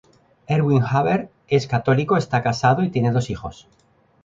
Erwin Huber es católico, está casado y tiene dos hijos.